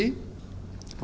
negara menghormati konstitusi